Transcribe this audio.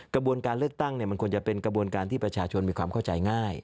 กระบวนการเลือกตั้งมันควรจะเป็นกระบวนการที่ประชาชนมีความเข้าใจง่าย